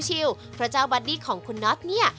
เพราะเจ้าบัดดี้ของคุณน็อตเนี่ย